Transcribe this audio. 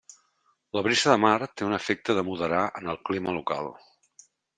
La brisa de mar té un efecte de moderar en el clima local.